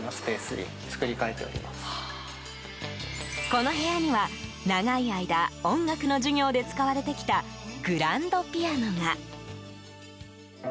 この部屋には、長い間音楽の授業で使われてきたグランドピアノが。